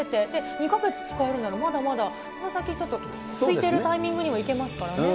２か月使えるならまだまだ、この先、ちょっと空いてるタイミングにも行けますからね。